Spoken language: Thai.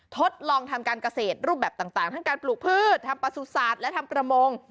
ทดลองทำการเกษตรรูปแบบต่างทั้งการปลูกพืชทำประสุทธิ์และทำประมง